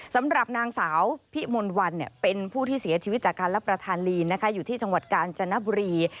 สำหรับนางสาวพิมลวันเป็นผู้ที่เสียชีวิตจากการรับประทานลีนอยู่ที่จังหวัดกาญจนบุรี